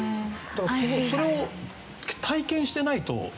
それを体験してないと。